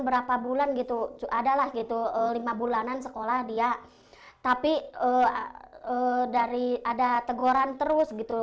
berapa bulan gitu adalah gitu lima bulanan sekolah dia tapi dari ada teguran terus gitu